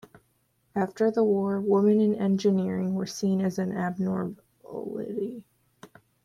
After the war, women in engineering were seen as an abnormality.